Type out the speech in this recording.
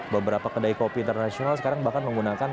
beberapa kedai kopi internasional sekarang bahkan menggunakan